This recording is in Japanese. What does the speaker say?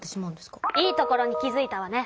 いいところに気づいたわね。